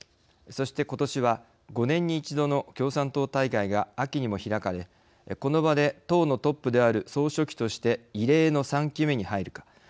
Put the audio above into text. そしてことしは５年に１度の共産党大会が秋にも開かれこの場で党のトップである総書記として異例の３期目に入るか。